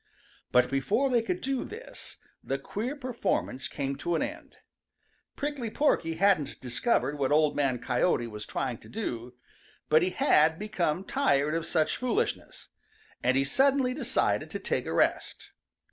But before they could do this, the queer performance came to an end. Prickly Porky hadn't discovered what Old Man Coyote was trying to do, but he had become tired of such foolishness, and he suddenly decided to take a rest.